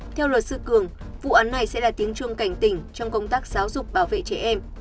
theo luật sư cường vụ án này sẽ là tiếng chuông cảnh tỉnh trong công tác giáo dục bảo vệ trẻ em